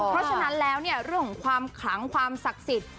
เพราะฉะนั้นแล้วเนี่ยเรื่องของความขลังความศักดิ์สิทธิ์